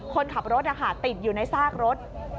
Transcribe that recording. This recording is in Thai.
คนขับรถติดอยู่ในซากรถ